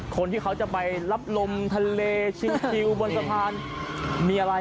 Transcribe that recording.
คนที่เขาจะไปรับลมทะเลชิวบนสะพานมีอะไร